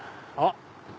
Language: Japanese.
あっ！